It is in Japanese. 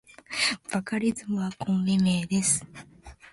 バカリズムはコンビ名です。